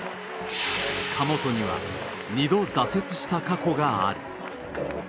神本には２度、挫折した過去がある。